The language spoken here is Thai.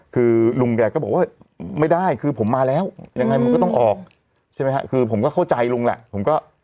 คือลุงแกก็บอกว่าไม่ได้คือผมมาแล้วยังไงมันก็ต้องออกใช่ไหมฮะคือผมก็เข้าใจลุงแหละผมก็